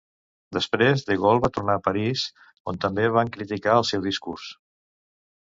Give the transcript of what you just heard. Després De Gaulle va tornar a París, on també van criticar el seu discurs.